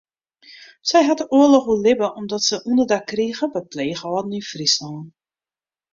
Sy hat de oarloch oerlibbe omdat se ûnderdak krige by pleechâlden yn Fryslân.